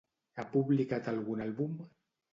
Ha publicat algun àlbum?